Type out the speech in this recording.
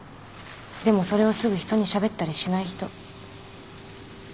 でもそれをすぐ人にしゃべったりしない人。